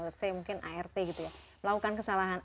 mungkin art gitu ya melakukan kesalahan